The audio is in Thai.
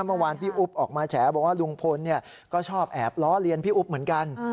เมื่อวานพี่อุ๊บออกมาแฉบอกว่าลุงพลก็ชอบแอบล้อเลียนพี่อุ๊บเหมือนกัน